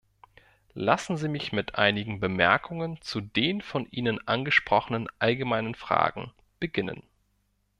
Lassen Sie mich mit einigen Bemerkungen zu den von Ihnen angesprochenen allgemeinen Fragen beginnen.